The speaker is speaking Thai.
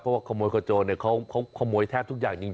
เพราะว่าขโมยขโจรเขาขโมยแทบทุกอย่างจริง